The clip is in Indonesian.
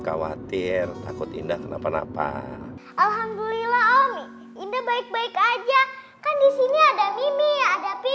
khawatir takut indah kenapa napa alhamdulillah om indah baik baik aja kan di sini ada mimi ada